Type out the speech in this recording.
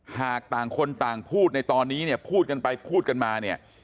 หากต่างคนต่างพูดในตอนนี้เนี่ยพูดกันไปพูดกันมาเนี่ย